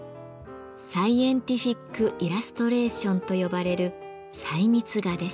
「サイエンティフィックイラストレーション」と呼ばれる細密画です。